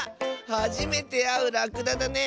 はじめてあうらくだだね！